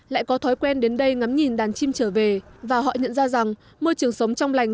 lại có thói quen đến đây ngắm nhìn đàn chim trở về và họ nhận ra rằng môi trường sống trong lành